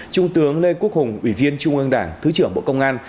trung tướng lê quốc hùng ủy viên trung ương đảng thứ trưởng bộ công an